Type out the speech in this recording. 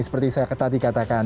seperti saya ketat dikatakan